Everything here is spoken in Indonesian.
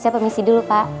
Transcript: saya permisi dulu pak